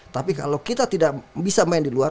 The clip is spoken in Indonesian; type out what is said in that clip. tapi kalau kita tidak bisa main di luar